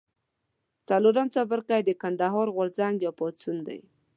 څلورم څپرکی د کندهار غورځنګ یا پاڅون دی.